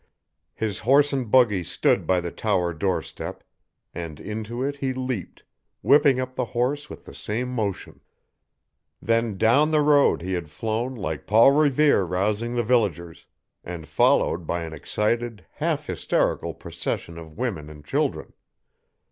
His horse and buggy stood by the tower doorstep, and into it he leaped, whipping up the horse with the same motion. Then down the road he had flown like Paul Revere rousing the villagers, and followed by an excited, half hysterical procession of women and children.